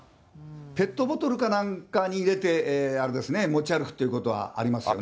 ペットボトルかなんかに入れて、あれですね、持ち歩くっていうことはありますよね。